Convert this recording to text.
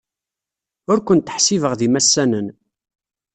Ur kent-ḥsibeɣ d imassanen.